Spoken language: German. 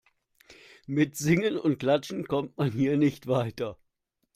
Mit Singen und Klatschen kommt man hier nicht weiter.